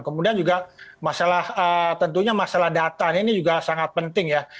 kemudian juga masalah tentunya masalah data ini juga sangat penting ya